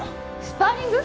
スパーリング！？